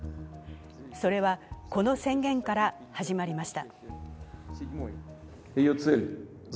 それはこの宣言から始まりました。